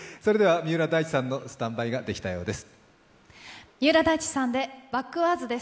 三浦大知さんのスタンバイができたようです。